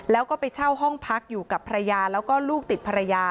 แล้วก็ไปเช่าห้องพักอยู่กับภรรยาแล้วก็ลูกติดภรรยา